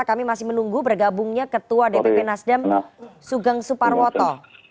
kami masih menunggu bergabungnya ketua dpp nasdem sugeng suparwoto